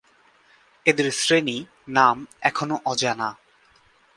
এদের শ্রেণী-নাম এখনও অজানা